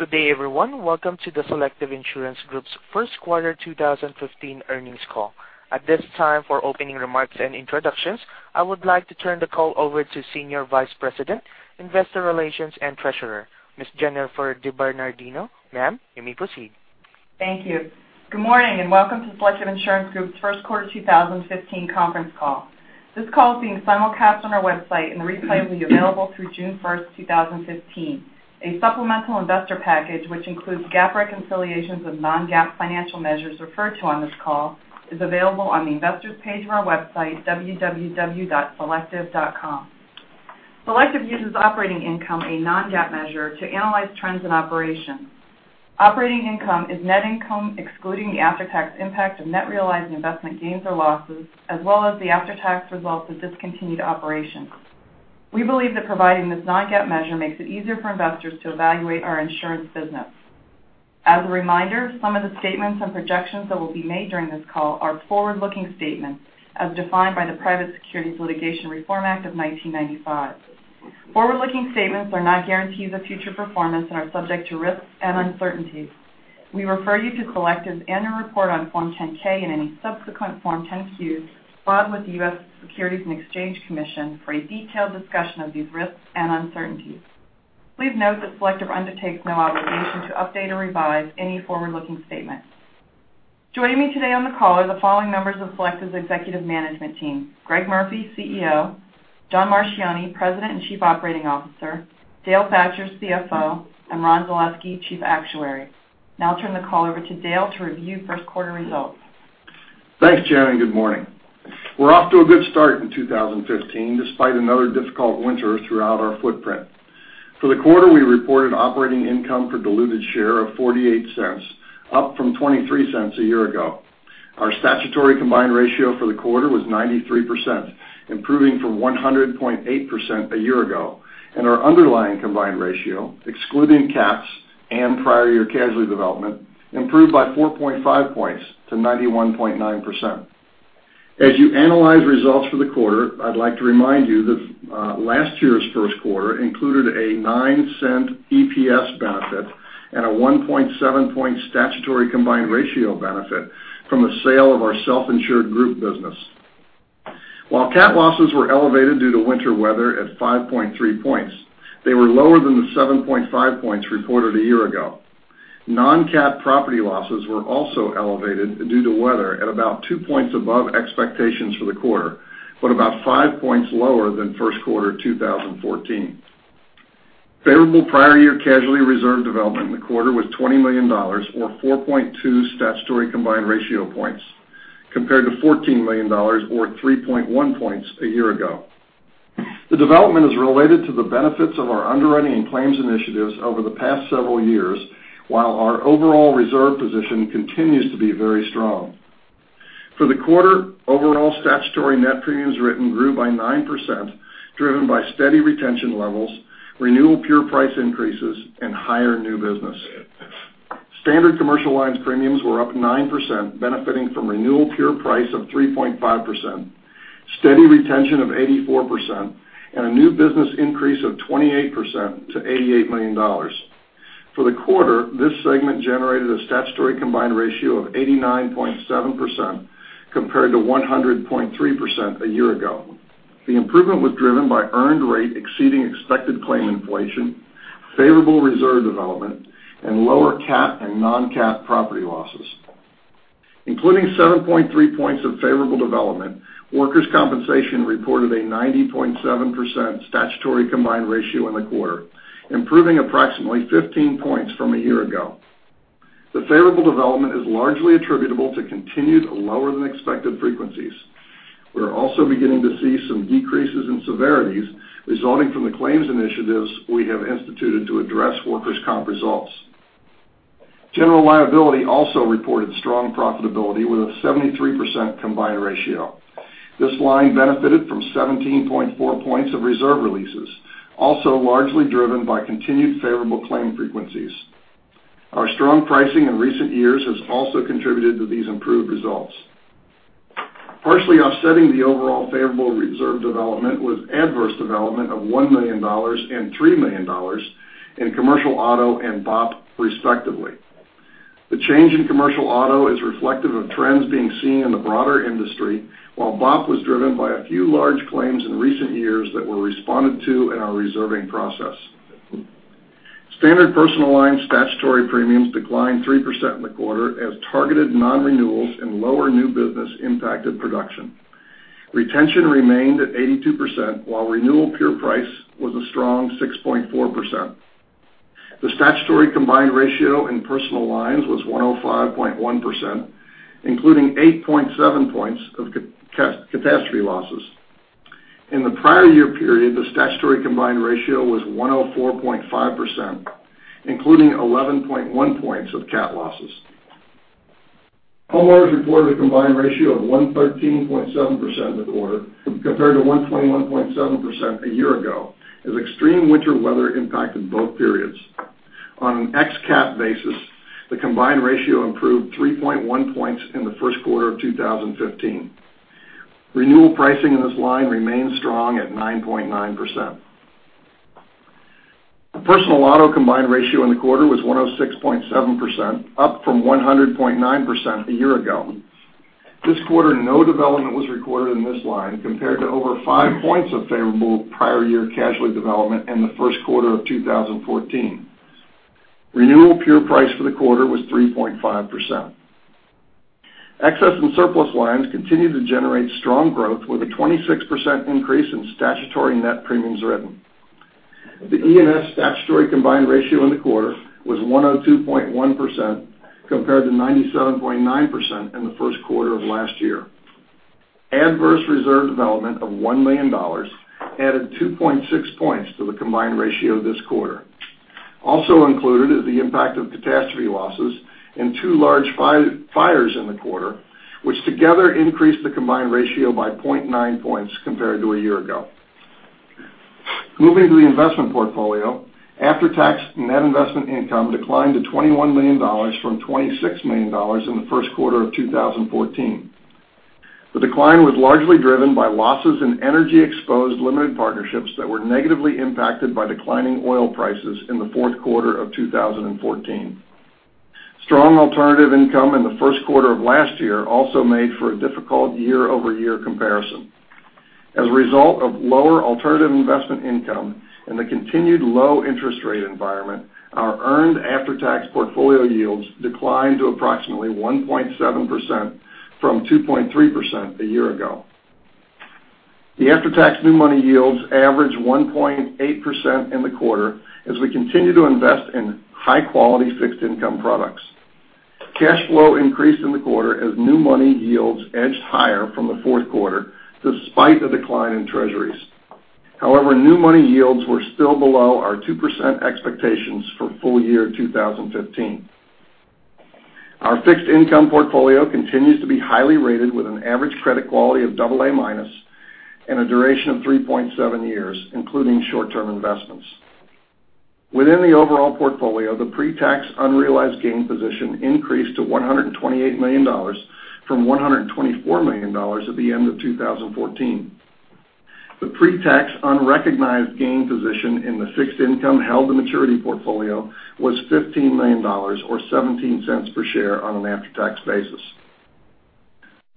Good day, everyone. Welcome to the Selective Insurance Group's first quarter 2015 earnings call. At this time, for opening remarks and introductions, I would like to turn the call over to Senior Vice President, Investor Relations and Treasurer, Ms. Jennifer DiBerardino. Ma'am, you may proceed. Thank you. Good morning. Welcome to Selective Insurance Group's first quarter 2015 conference call. This call is being simulcast on our website, and the replay will be available through June 1st, 2015. A supplemental investor package, which includes GAAP reconciliations of non-GAAP financial measures referred to on this call, is available on the investor's page of our website, www.selective.com. Selective uses operating income, a non-GAAP measure, to analyze trends in operations. Operating income is net income excluding the after-tax impact of net realized investment gains or losses, as well as the after-tax results of discontinued operations. We believe that providing this non-GAAP measure makes it easier for investors to evaluate our insurance business. As a reminder, some of the statements and projections that will be made during this call are forward-looking statements as defined by the Private Securities Litigation Reform Act of 1995. Forward-looking statements are not guarantees of future performance and are subject to risks and uncertainties. We refer you to Selective's annual report on Form 10-K and any subsequent Form 10-Qs filed with the U.S. Securities and Exchange Commission for a detailed discussion of these risks and uncertainties. Please note that Selective undertakes no obligation to update or revise any forward-looking statements. Joining me today on the call are the following members of Selective's executive management team: Greg Murphy, CEO; John Marchioni, President and Chief Operating Officer; Dale Thatcher, CFO; and Ron Zaleski, Chief Actuary. I'll turn the call over to Dale to review first quarter results. Thanks, Jen. Good morning. We're off to a good start in 2015, despite another difficult winter throughout our footprint. For the quarter, we reported operating income for diluted share of $0.48, up from $0.23 a year ago. Our statutory combined ratio for the quarter was 93%, improving from 100.8% a year ago, and our underlying combined ratio, excluding cats and prior year casualty development, improved by 4.5 points to 91.9%. As you analyze results for the quarter, I'd like to remind you that last year's first quarter included a $0.09 EPS benefit and a 1.7 point statutory combined ratio benefit from the sale of our self-insured group business. While cat losses were elevated due to winter weather at 5.3 points, they were lower than the 7.5 points reported a year ago. Non-cat property losses were also elevated due to weather at about two points above expectations for the quarter, but about five points lower than first quarter 2014. Favorable prior year casualty reserve development in the quarter was $20 million, or 4.2 statutory combined ratio points, compared to $14 million or 3.1 points a year ago. The development is related to the benefits of our underwriting and claims initiatives over the past several years, while our overall reserve position continues to be very strong. For the quarter, overall statutory net premiums written grew by 9%, driven by steady retention levels, renewal pure price increases, and higher new business. Standard Commercial Lines premiums were up 9%, benefiting from renewal pure price of 3.5%, steady retention of 84%, and a new business increase of 28% to $88 million. For the quarter, this segment generated a statutory combined ratio of 89.7% compared to 100.3% a year ago. The improvement was driven by earned rate exceeding expected claim inflation, favorable reserve development, and lower cat and non-cat property losses. Including 7.3 points of favorable development, Workers' Compensation reported a 90.7% statutory combined ratio in the quarter, improving approximately 15 points from a year ago. The favorable development is largely attributable to continued lower than expected frequencies. We are also beginning to see some decreases in severities resulting from the claims initiatives we have instituted to address Workers' Comp results. General Liability also reported strong profitability with a 73% combined ratio. This line benefited from 17.4 points of reserve releases, also largely driven by continued favorable claim frequencies. Our strong pricing in recent years has also contributed to these improved results. Partially offsetting the overall favorable reserve development was adverse development of $1 million and $3 million in Commercial Auto and BOP, respectively. The change in Commercial Auto is reflective of trends being seen in the broader industry, while BOP was driven by a few large claims in recent years that were responded to in our reserving process. Standard Personal Lines statutory premiums declined 3% in the quarter as targeted non-renewals and lower new business impacted production. Retention remained at 82%, while renewal pure price was a strong 6.4%. The statutory combined ratio in Personal Lines was 105.1%, including 8.7 points of catastrophe losses. In the prior year period, the statutory combined ratio was 104.5%, including 11.1 points of cat losses. Homeowners reported a combined ratio of 113.7% in the quarter compared to 121.7% a year ago, as extreme winter weather impacted both periods. On an ex cat basis, the combined ratio improved 3.1 points in the first quarter of 2015. Renewal pricing in this line remains strong at 9.9%. The Personal Auto combined ratio in the quarter was 106.7%, up from 100.9% a year ago. This quarter, no development was recorded in this line, compared to over five points of favorable prior year casualty development in the first quarter of 2014. Renewal pure price for the quarter was 3.5%. Excess and Surplus Lines continued to generate strong growth, with a 26% increase in statutory net premiums written. The E&S statutory combined ratio in the quarter was 102.1%, compared to 97.9% in the first quarter of last year. Adverse reserve development of $1 million added 2.6 points to the combined ratio this quarter. Also included is the impact of catastrophe losses in two large fires in the quarter, which together increased the combined ratio by 0.9 points compared to a year ago. Moving to the investment portfolio, after-tax net investment income declined to $21 million from $26 million in the first quarter of 2014. The decline was largely driven by losses in energy-exposed limited partnerships that were negatively impacted by declining oil prices in the fourth quarter of 2014. Strong alternative income in the first quarter of last year also made for a difficult year-over-year comparison. As a result of lower alternative investment income and the continued low interest rate environment, our earned after-tax portfolio yields declined to approximately 1.7% from 2.3% a year ago. The after-tax new money yields averaged 1.8% in the quarter, as we continue to invest in high-quality fixed income products. New money yields edged higher from the fourth quarter, despite the decline in Treasuries. New money yields were still below our 2% expectations for full year 2015. Our fixed income portfolio continues to be highly rated, with an average credit quality of double A-minus, and a duration of 3.7 years, including short-term investments. Within the overall portfolio, the pre-tax unrealized gain position increased to $128 million from $124 million at the end of 2014. The pre-tax unrecognized gain position in the fixed income held the maturity portfolio was $15 million, or $0.17 per share on an after-tax basis.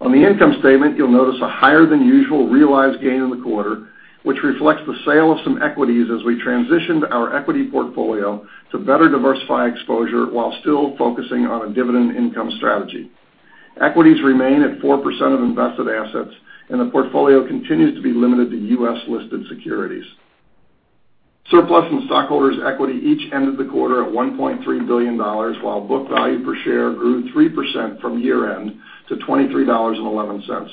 On the income statement, you'll notice a higher than usual realized gain in the quarter, which reflects the sale of some equities as we transitioned our equity portfolio to better diversify exposure while still focusing on a dividend income strategy. Equities remain at 4% of invested assets, and the portfolio continues to be limited to U.S.-listed securities. Surplus and stockholders' equity each ended the quarter at $1.3 billion, while book value per share grew 3% from year-end to $23.11.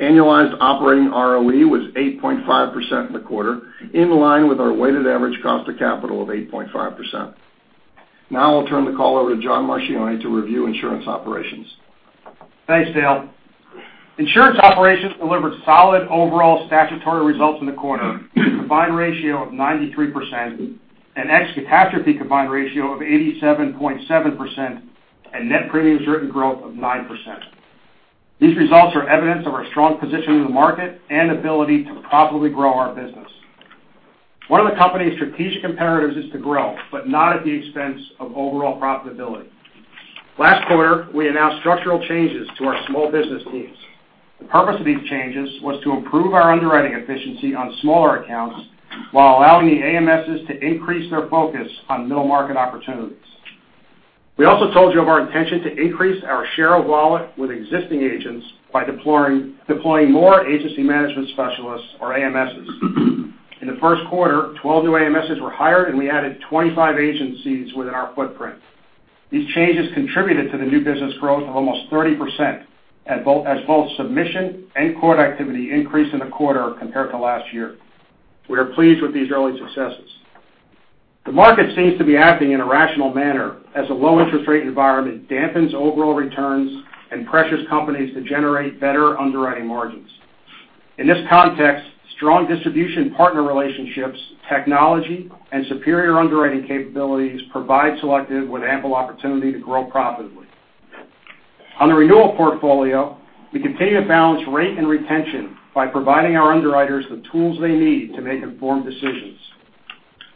Annualized operating ROE was 8.5% in the quarter, in line with our weighted average cost of capital of 8.5%. I'll turn the call over to John Marchioni to review insurance operations. Thanks, Dale. Insurance operations delivered solid overall statutory results in the quarter, with a combined ratio of 93%, an ex-catastrophe combined ratio of 87.7%, and net premiums written growth of 9%. These results are evidence of our strong position in the market and ability to profitably grow our business. One of the company's strategic imperatives is to grow, but not at the expense of overall profitability. Last quarter, we announced structural changes to our small business teams. The purpose of these changes was to improve our underwriting efficiency on smaller accounts while allowing the AMSs to increase their focus on middle-market opportunities. We also told you of our intention to increase our share of wallet with existing agents by deploying more agency management specialists or AMSs. In the first quarter, 12 new AMSs were hired, and we added 25 agencies within our footprint. These changes contributed to the new business growth of almost 30%, as both submission and quote activity increased in the quarter compared to last year. We are pleased with these early successes. The market seems to be acting in a rational manner as the low interest rate environment dampens overall returns and pressures companies to generate better underwriting margins. In this context, strong distribution partner relationships, technology, and superior underwriting capabilities provide Selective with ample opportunity to grow profitably. On the renewal portfolio, we continue to balance rate and retention by providing our underwriters the tools they need to make informed decisions.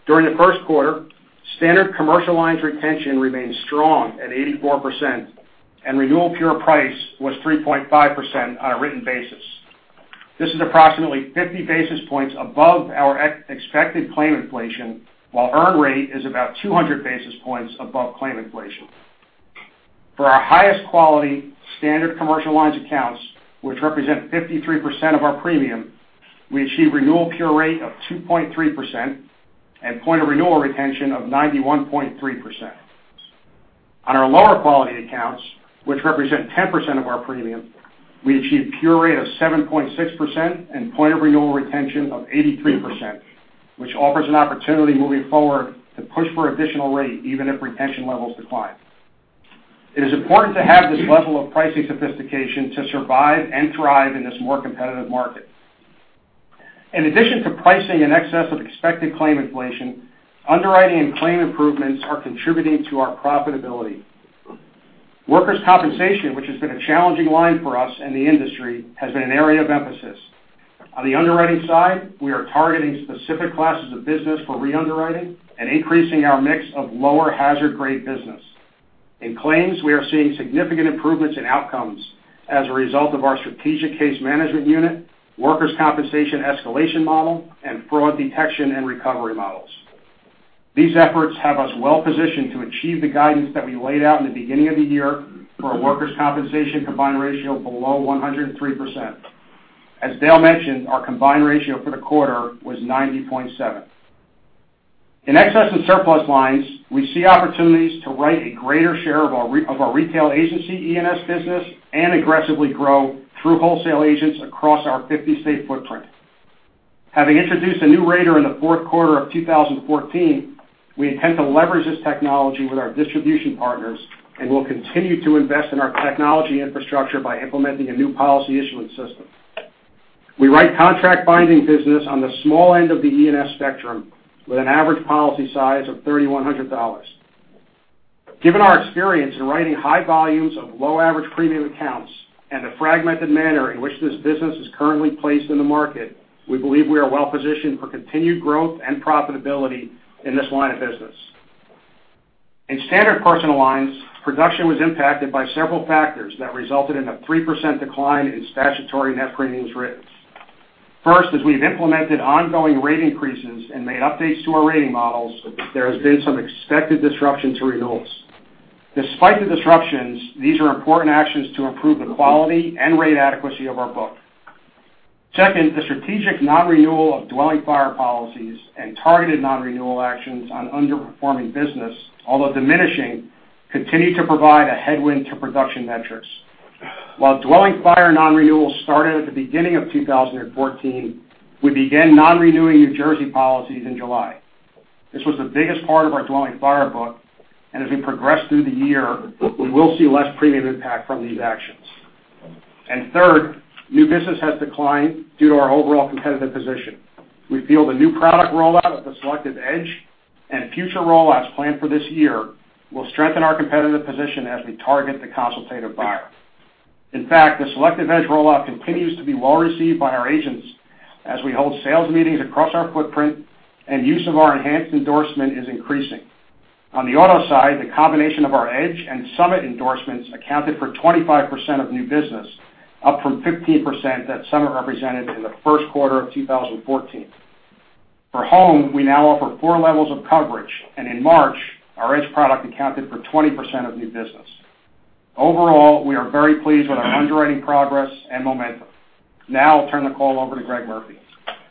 During the first quarter, Standard Commercial Lines retention remained strong at 84%, and renewal pure price was 3.5% on a written basis. This is approximately 50 basis points above our expected claim inflation, while earn rate is about 200 basis points above claim inflation. For our highest quality Standard Commercial Lines accounts, which represent 53% of our premium, we achieved renewal pure rate of 2.3% and point of renewal retention of 91.3%. On our lower quality accounts, which represent 10% of our premium, we achieved pure rate of 7.6% and point of renewal retention of 83%, which offers an opportunity moving forward to push for additional rate even if retention levels decline. It is important to have this level of pricing sophistication to survive and thrive in this more competitive market. In addition to pricing in excess of expected claim inflation, underwriting and claim improvements are contributing to our profitability. Workers' Compensation, which has been a challenging line for us and the industry, has been an area of emphasis. On the underwriting side, we are targeting specific classes of business for re-underwriting and increasing our mix of lower hazard grade business. In claims, we are seeing significant improvements in outcomes as a result of our strategic case management unit, Workers' Compensation escalation model, and fraud detection and recovery models. These efforts have us well positioned to achieve the guidance that we laid out in the beginning of the year for a Workers' Compensation combined ratio below 103%. As Dale mentioned, our combined ratio for the quarter was 90.7%. In Excess and Surplus Lines, we see opportunities to write a greater share of our retail agency E&S business and aggressively grow through wholesale agents across our 50-state footprint. Having introduced a new rater in the fourth quarter of 2014, we intend to leverage this technology with our distribution partners and will continue to invest in our technology infrastructure by implementing a new policy issuance system. We write contract binding business on the small end of the E&S spectrum with an average policy size of $3,100. Given our experience in writing high volumes of low average premium accounts and the fragmented manner in which this business is currently placed in the market, we believe we are well positioned for continued growth and profitability in this line of business. In Standard Personal Lines, production was impacted by several factors that resulted in a 3% decline in statutory net premiums written. First, as we've implemented ongoing rate increases and made updates to our rating models, there has been some expected disruption to renewals. Despite the disruptions, these are important actions to improve the quality and rate adequacy of our book. Second, the strategic non-renewal of dwelling fire policies and targeted non-renewal actions on underperforming business, although diminishing, continue to provide a headwind to production metrics. While dwelling fire non-renewal started at the beginning of 2014, we began non-renewing New Jersey policies in July. This was the biggest part of our dwelling fire book, and as we progress through the year, we will see less premium impact from these actions. Third, new business has declined due to our overall competitive position. We feel the new product rollout of The Selective Edge and future rollouts planned for this year will strengthen our competitive position as we target the consultative buyer. In fact, The Selective Edge rollout continues to be well received by our agents as we hold sales meetings across our footprint and use of our enhanced endorsement is increasing. On the auto side, the combination of our Edge and Summit endorsements accounted for 25% of new business, up from 15% that some are represented in the first quarter of 2014. For home, we now offer 4 levels of coverage, and in March, our Edge product accounted for 20% of new business. Overall, we are very pleased with our underwriting progress and momentum. I'll turn the call over to Greg Murphy.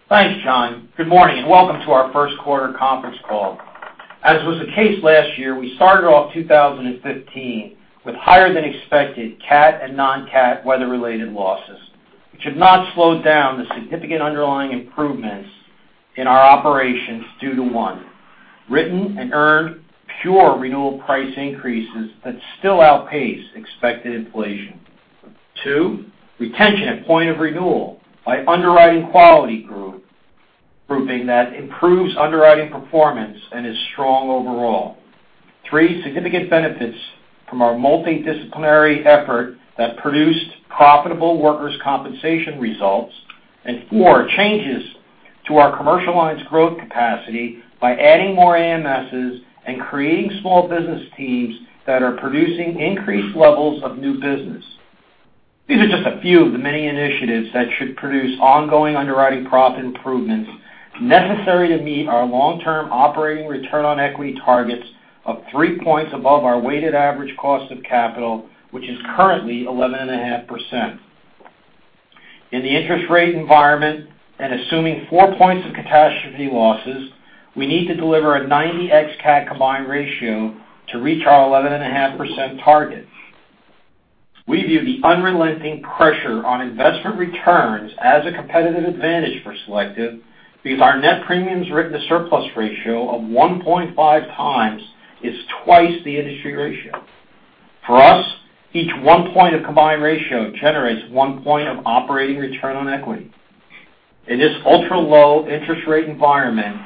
Thanks, John. Good morning and welcome to our first quarter conference call. As was the case last year, we started off 2015 with higher than expected cat and non-cat weather related losses, which have not slowed down the significant underlying improvements in our operations due to 1. written and earned pure renewal price increases that still outpace expected inflation. 2. retention at point of renewal by underwriting quality grouping that improves underwriting performance and is strong overall. 3. significant benefits from our multidisciplinary effort that produced profitable Workers' Compensation results. 4. changes to our Commercial Lines growth capacity by adding more AMSs and creating small business teams that are producing increased levels of new business. These are just a few of the many initiatives that should produce ongoing underwriting profit improvements necessary to meet our long-term operating return on equity targets of three points above our weighted average cost of capital, which is currently 11.5%. In the interest rate environment and assuming four points of catastrophe losses, we need to deliver a 90x cat combined ratio to reach our 11.5% target. We view the unrelenting pressure on investment returns as a competitive advantage for Selective because our net premiums written to surplus ratio of 1.5 times is twice the industry ratio. For us, each one point of combined ratio generates one point of operating return on equity. In this ultra-low interest rate environment,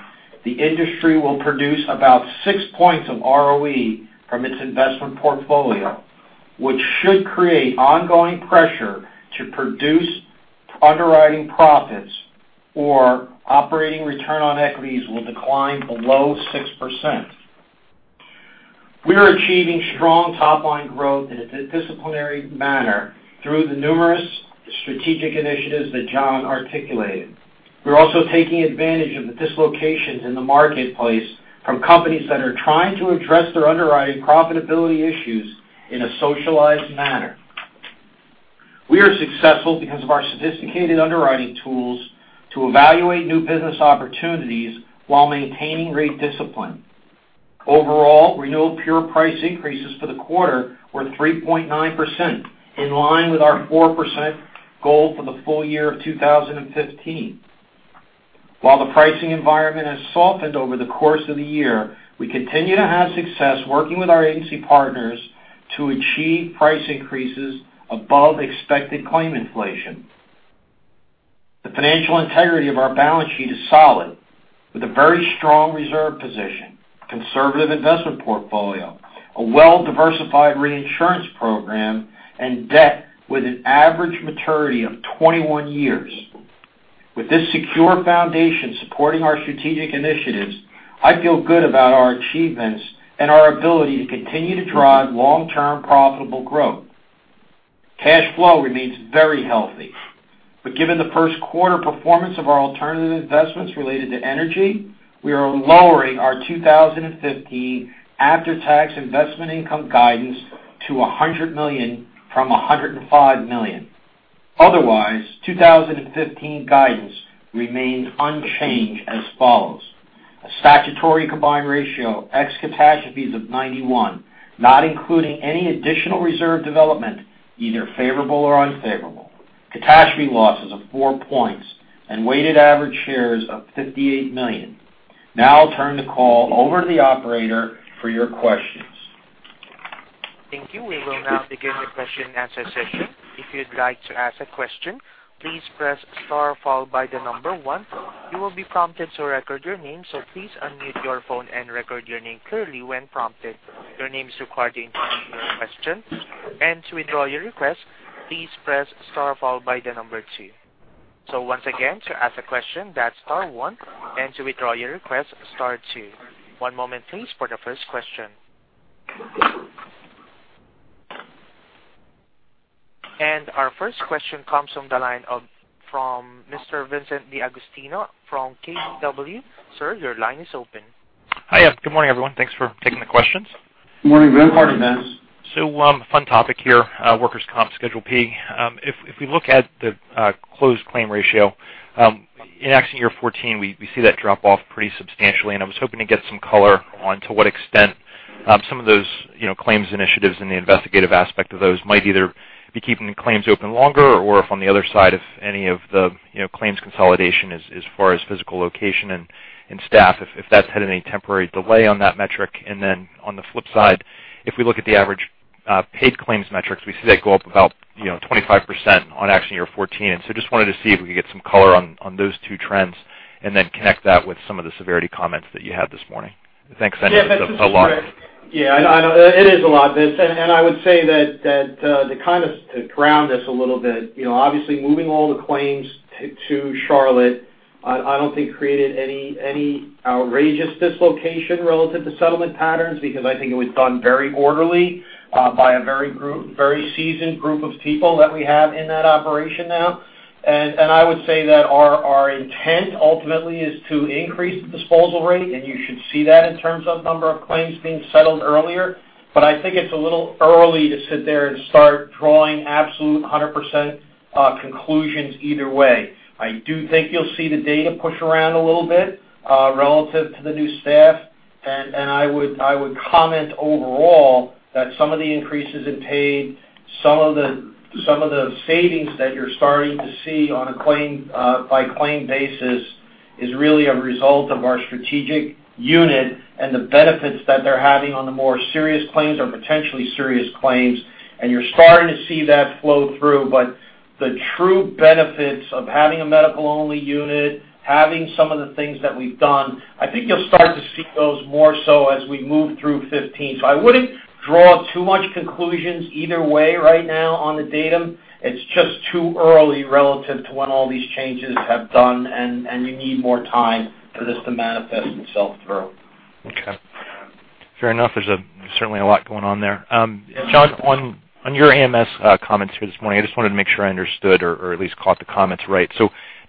the industry will produce about six points of ROE from its investment portfolio, which should create ongoing pressure to produce underwriting profits or operating return on equities will decline below 6%. We are achieving strong top-line growth in a disciplinary manner through the numerous strategic initiatives that John articulated. We're also taking advantage of the dislocations in the marketplace from companies that are trying to address their underwriting profitability issues in a socialized manner. We are successful because of our sophisticated underwriting tools to evaluate new business opportunities while maintaining rate discipline. Overall, renewal pure price increases for the quarter were 3.9%, in line with our 4% goal for the full year of 2015. While the pricing environment has softened over the course of the year, we continue to have success working with our agency partners to achieve price increases above expected claim inflation. The financial integrity of our balance sheet is solid, with a very strong reserve position, conservative investment portfolio, a well-diversified reinsurance program, and debt with an average maturity of 21 years. With this secure foundation supporting our strategic initiatives, I feel good about our achievements and our ability to continue to drive long-term profitable growth. Cash flow remains very healthy. Given the first quarter performance of our alternative investments related to energy, we are lowering our 2015 after-tax investment income guidance to $100 million from $105 million. Otherwise, 2015 guidance remains unchanged as follows. A statutory combined ratio, ex catastrophes of 91, not including any additional reserve development, either favorable or unfavorable. Catastrophe losses of four points and weighted average shares of 58 million. I'll turn the call over to the operator for your questions. Thank you. We will now begin the question and answer session. If you'd like to ask a question, please press star followed by the number one. You will be prompted to record your name, so please unmute your phone and record your name clearly when prompted. Your name is recorded in your question. To withdraw your request, please press star followed by the number two. Once again, to ask a question, that's star one, and to withdraw your request, star two. One moment please, for the first question. Our first question comes from the line of Mr. Vincent DeAugustino from KBW. Sir, your line is open. Hi. Good morning, everyone. Thanks for taking the questions. Good morning. Go ahead, Vince. Fun topic here, Workers' Comp Schedule P. If we look at the closed claim ratio, in accident year 2014, we see that drop off pretty substantially. I was hoping to get some color on to what extent some of those claims initiatives in the investigative aspect of those might either be keeping the claims open longer or if on the other side, if any of the claims consolidation as far as physical location and staff, if that's had any temporary delay on that metric. On the flip side, if we look at the average paid claims metrics, we see that go up about 25% on accident year 2014. Just wanted to see if we could get some color on those two trends and then connect that with some of the severity comments that you had this morning. Thanks. I know it's a lot. Yeah, I know it is a lot, Vince. I would say that to ground this a little bit, obviously moving all the claims to Charlotte, I don't think created any outrageous dislocation relative to settlement patterns because I think it was done very orderly by a very seasoned group of people that we have in that operation now. I would say that our intent ultimately is to increase the disposal rate, and you should see that in terms of number of claims being settled earlier. I think it's a little early to sit there and start drawing absolute 100% conclusions either way. I do think you'll see the data push around a little bit, relative to the new staff. I would comment overall that some of the increases in paid, some of the savings that you're starting to see on a claim by claim basis is really a result of our strategic unit and the benefits that they're having on the more serious claims or potentially serious claims. You're starting to see that flow through. The true benefits of having a medical-only unit, having some of the things that we've done, I think you'll start to see those more so as we move through 2015. I wouldn't draw too much conclusions either way right now on the datum. It's just too early relative to when all these changes have done, and you need more time for this to manifest itself through. Okay. Fair enough. There's certainly a lot going on there. John, on your AMS comments here this morning, I just wanted to make sure I understood or at least caught the comments right.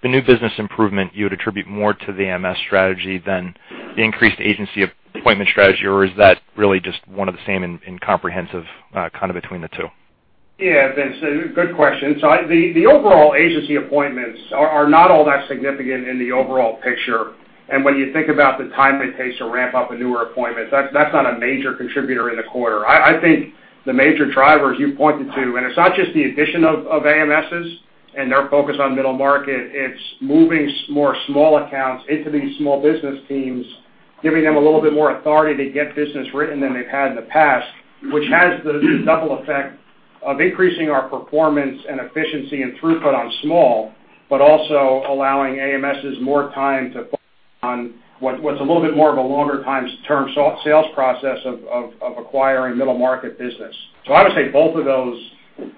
The new business improvement you would attribute more to the AMS strategy than the increased agency appointment strategy, or is that really just one and the same in comprehensive, kind of between the two? Yeah. Vince, good question. The overall agency appointments are not all that significant in the overall picture. When you think about the time it takes to ramp up a newer appointment, that's not a major contributor in the quarter. I think the major drivers you pointed to, and it's not just the addition of AMSs and their focus on middle market, it's moving more small accounts into these small business teams, giving them a little bit more authority to get business written than they've had in the past, which has the double effect of increasing our performance and efficiency and throughput on small, but also allowing AMSs more time to focus on what's a little bit more of a longer-term sales process of acquiring middle market business. I would say both of those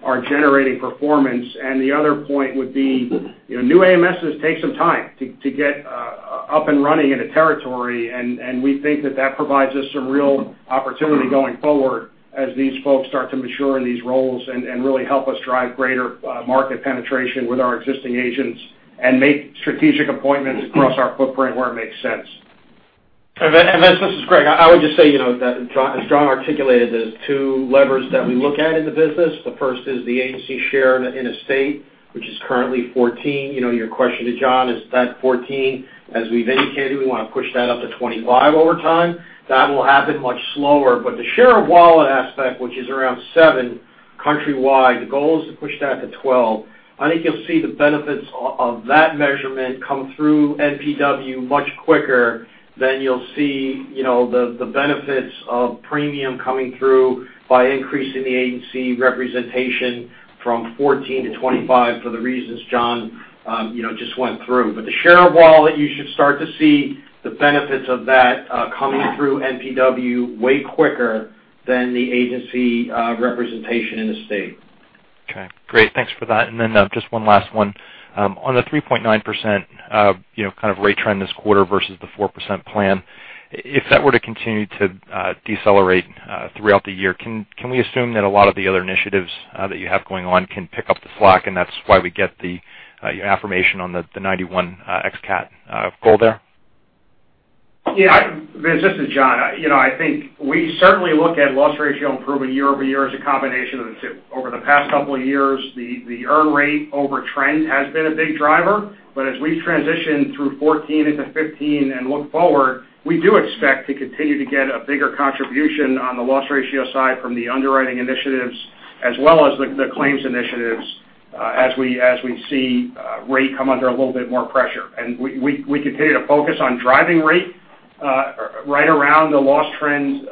are generating performance, and the other point would be, new AMSs take some time to get up and running in a territory, and we think that that provides us some real opportunity going forward as these folks start to mature in these roles and really help us drive greater market penetration with our existing agents and make strategic appointments across our footprint where it makes sense. Vince, this is Greg. I would just say that as John articulated, there's two levers that we look at in the business. The first is the agency share in a state, which is currently 14. Your question to John, is that 14, as we've indicated, we want to push that up to 25 over time. That will happen much slower. The share of wallet aspect, which is around seven Countrywide, the goal is to push that to 12. I think you'll see the benefits of that measurement come through NPW much quicker than you'll see the benefits of premium coming through by increasing the agency representation from 14 to 25 for the reasons John just went through. The share of wallet, you should start to see the benefits of that coming through NPW way quicker than the agency representation in the state. Okay, great. Thanks for that. Then just one last one. On the 3.9% kind of rate trend this quarter versus the 4% plan, if that were to continue to decelerate throughout the year, can we assume that a lot of the other initiatives that you have going on can pick up the slack and that's why we get the affirmation on the 91 ex cat goal there? Yeah. Vince, this is John. I think we certainly look at loss ratio improvement year-over-year as a combination of the two. Over the past couple of years, the earn rate over trend has been a big driver, but as we transition through 2014 into 2015 and look forward, we do expect to continue to get a bigger contribution on the loss ratio side from the underwriting initiatives as well as the claims initiatives, as we see rate come under a little bit more pressure. We continue to focus on driving rate right around the loss trends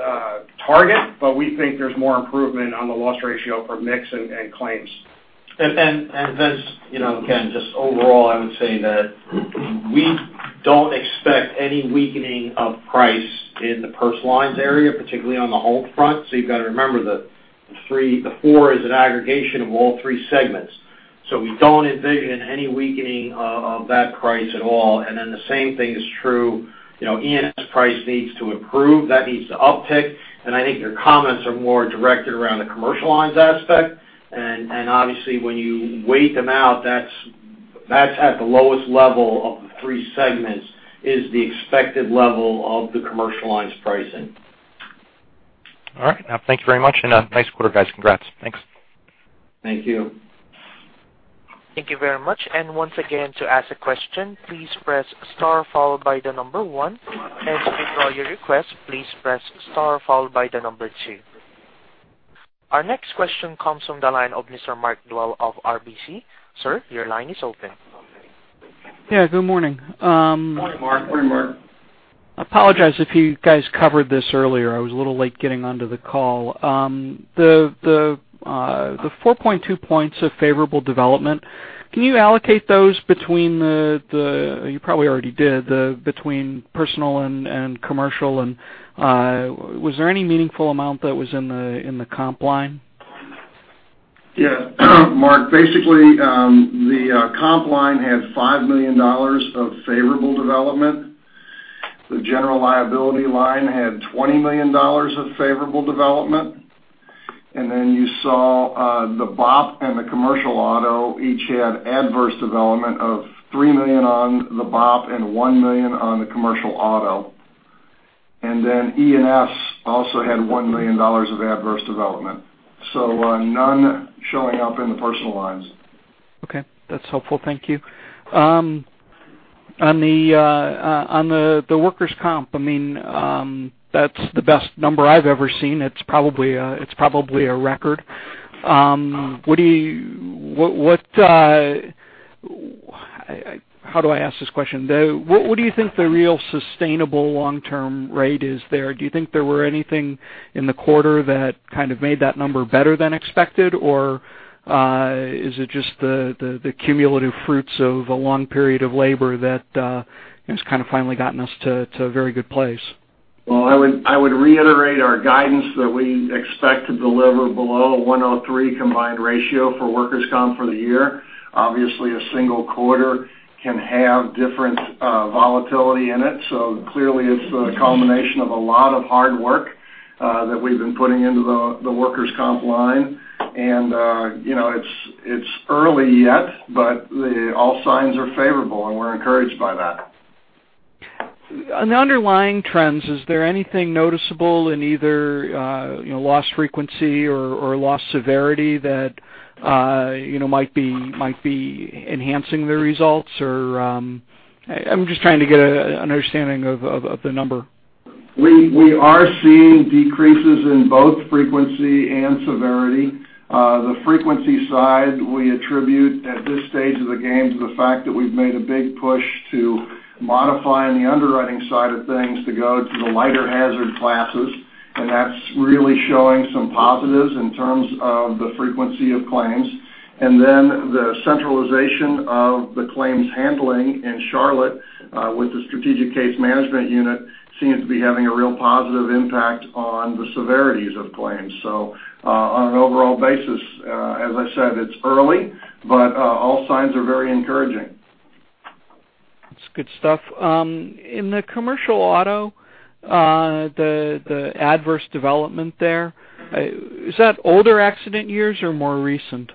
target, but we think there's more improvement on the loss ratio for mix and claims. Vince, again, just overall, I would say that we don't expect any weakening of price in the Personal Lines area, particularly on the home front. You've got to remember the 4 is an aggregation of all 3 segments. We don't envision any weakening of that price at all. Then the same thing is true, E&S price needs to improve, that needs to uptick, and I think your comments are more directed around the Commercial Lines aspect. Obviously when you weight them out, that's at the lowest level of the 3 segments, is the expected level of the Commercial Lines pricing. All right. Thank you very much. Nice quarter, guys. Congrats. Thanks. Thank you. Thank you very much. Once again, to ask a question, please press star followed by the number 1, and to withdraw your request, please press star followed by the number 2. Our next question comes from the line of Mr. Mark Dwelle of RBC. Sir, your line is open. Yeah, good morning. Morning, Mark. Morning, Mark. I apologize if you guys covered this earlier. I was a little late getting onto the call. The 4.2 points of favorable development, can you allocate those between the, you probably already did, between Personal and Commercial, and was there any meaningful amount that was in the Comp line? Yeah. Mark, basically, the Comp line had $5 million of favorable development. The General Liability line had $20 million of favorable development. You saw the BOP and the Commercial Auto each had adverse development of $3 million on the BOP and $1 million on the Commercial Auto. E&S also had $1 million of adverse development. None showing up in the Personal Lines. Okay. That's helpful. Thank you. On the Workers' Comp, that's the best number I've ever seen. It's probably a record. How do I ask this question? What do you think the real sustainable long-term rate is there? Do you think there were anything in the quarter that kind of made that number better than expected, or is it just the cumulative fruits of a long period of labor that has kind of finally gotten us to a very good place? I would reiterate our guidance that we expect to deliver below 103% combined ratio for Workers' Comp for the year. A single quarter can have different volatility in it. Clearly it's a culmination of a lot of hard work that we've been putting into the Workers' Comp line. It's early yet, but all signs are favorable and we're encouraged by that. On the underlying trends, is there anything noticeable in either loss frequency or loss severity that might be enhancing the results? I'm just trying to get an understanding of the number. We are seeing decreases in both frequency and severity. The frequency side we attribute at this stage of the game to the fact that we've made a big push to modify on the underwriting side of things to go to the lighter hazard classes, that's really showing some positives in terms of the frequency of claims. Then the centralization of the claims handling in Charlotte, with the strategic case management unit, seems to be having a real positive impact on the severities of claims. On an overall basis, as I said, it's early, but all signs are very encouraging. That's good stuff. In the Commercial Auto, the adverse development there, is that older accident years or more recent?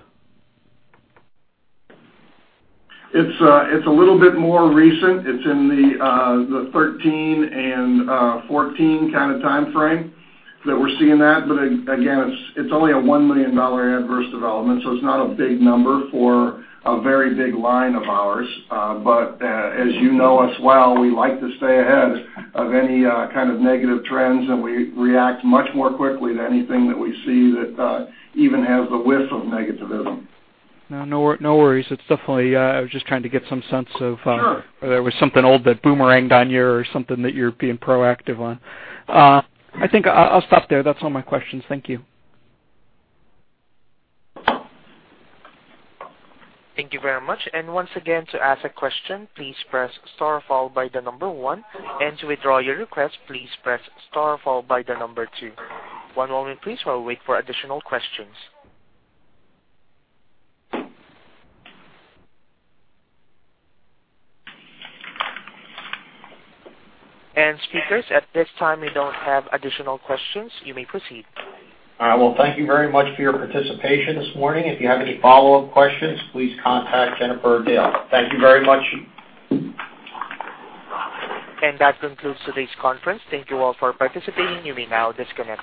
It's a little bit more recent. It's in the 2013 and 2014 kind of timeframe that we're seeing that. Again, it's only a $1 million adverse development, it's not a big number for a very big line of ours. As you know us well, we like to stay ahead of any kind of negative trends, and we react much more quickly to anything that we see that even has the whiff of negativism. No worries. It's definitely, I was just trying to get some sense of. Sure. Whether it was something old that boomeranged on you or something that you're being proactive on. I think I'll stop there. That's all my questions. Thank you. Thank you very much. Once again, to ask a question, please press star followed by the number 1, and to withdraw your request, please press star followed by the number 2. One moment please while we wait for additional questions. Speakers, at this time, we don't have additional questions. You may proceed. All right. Well, thank you very much for your participation this morning. If you have any follow-up questions, please contact Jennifer or Dale. Thank you very much. That concludes today's conference. Thank you all for participating. You may now disconnect.